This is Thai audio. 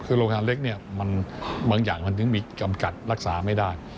คือโรงพยาบาลเล็กบางอย่างมันถึงมีกำกัดรักษาไม่ได้